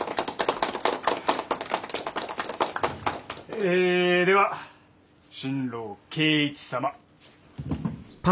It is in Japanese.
えでは新郎圭一様。